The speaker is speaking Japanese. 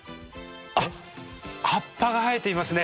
あっ葉っぱが生えていますね。